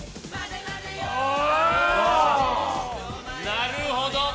なるほど！